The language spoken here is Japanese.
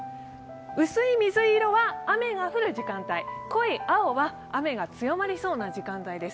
薄い水色は雨が降る時間帯、濃い青は雨が強まりそうな時間帯です。